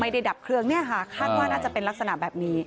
ไม่ได้ดับเครื่องคาดว่าน่าจะเป็นลักษณะแบบนี้